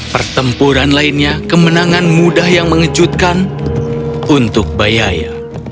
pertempuran lainnya kemenangan mudah yang mengejutkan untuk bayaya